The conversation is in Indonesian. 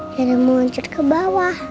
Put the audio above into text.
jangan muncul ke bawah